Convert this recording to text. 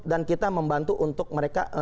dan kita membantu untuk mereka